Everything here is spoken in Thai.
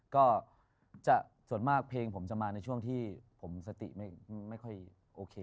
ก็ส่วนมากเพลงผมจะมาในช่วงที่ผมสติไม่ค่อยโอเค